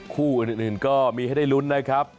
คู่อื่นก็มีให้ได้ลุ้นนะครับ